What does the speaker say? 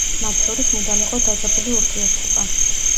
მათ შორის მუდამ იყო დაძაბული ურთიერთობა.